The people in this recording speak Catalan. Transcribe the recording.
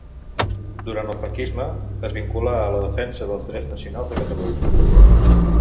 Durant el franquisme es vinculà a la defensa dels drets nacionals de Catalunya.